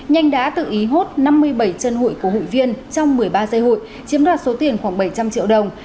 nhanh đã tự ý hốt năm mươi bảy chân hụi của hụi viên trong một mươi ba dây hụi chiếm đoạt số tiền khoảng bảy trăm linh triệu đồng